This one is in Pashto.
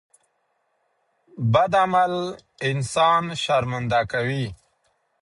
بد عمل انسان شرمنده کوي.